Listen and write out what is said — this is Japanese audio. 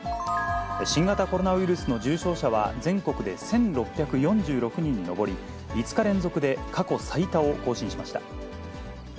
新型コロナウイルスの重症者は、全国で１６４６人に上り、５日連続で過去最多を更新しました。